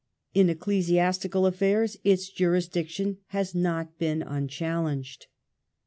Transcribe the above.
In ecclesiastical affairs its jurisdiction has not been unchallenged.